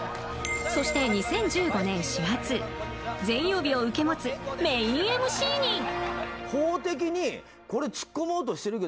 そして、２０１５年４月全曜日を受け持つメインＭＣに。